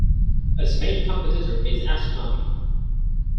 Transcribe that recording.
Its main competitor is "Astronomy".